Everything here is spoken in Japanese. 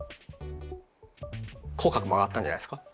口角も上がったんじゃないですか？